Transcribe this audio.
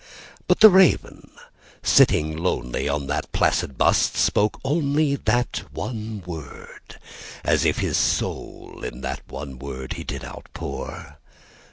But the Raven, sitting lonely on the placid bust, spoke onlyThat one word, as if his soul in that one word he did outpour.